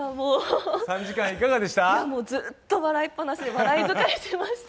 ずっと笑いっぱなしで笑い疲れしました。